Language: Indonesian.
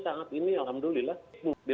saat ini alhamdulillah di